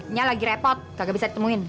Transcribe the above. nya lagi repot gak bisa ditemuin